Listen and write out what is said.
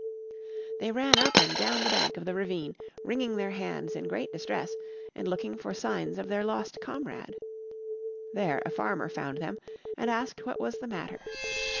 They ran up and down the bank of the ravine wringing their hands in great distress and looking for signs of their lost comrade. There a farmer found them and asked what was the matter.